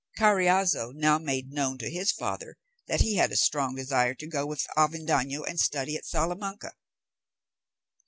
Carriazo now made known to his father that he had a strong desire to go with Avendaño and study at Salamanca.